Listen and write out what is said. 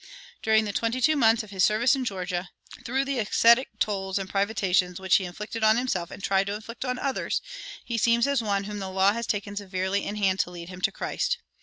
During the twenty two months of his service in Georgia, through the ascetic toils and privations which he inflicted on himself and tried to inflict on others, he seems as one whom the law has taken severely in hand to lead him to Christ.